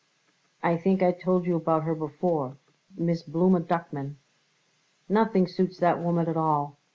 I think I told you about her before Miss Blooma Duckman. Nothing suits that woman at all.